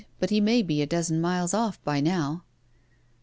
But he may be a dozen miles off by now."